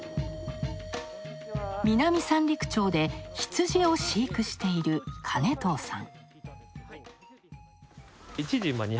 南三陸町で羊を飼育している金藤さん。